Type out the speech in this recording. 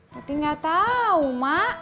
tapi nggak tahu mak